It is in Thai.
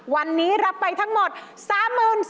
วันนี้รับไปทั้งหมด๓๔๒๐๐บาทค่ะ